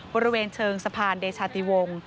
บริเวณเชิงสภานแตชาติวง